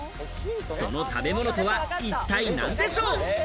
その食べ物とは一体何でしょう？